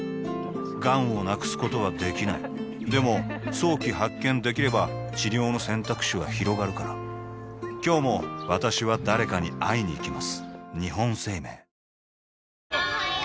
がんを無くすことはできないでも早期発見できれば治療の選択肢はひろがるから今日も私は誰かに会いにいきます